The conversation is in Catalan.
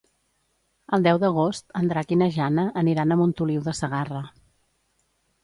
El deu d'agost en Drac i na Jana aniran a Montoliu de Segarra.